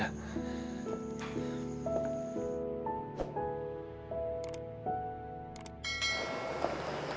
ya udah aku mau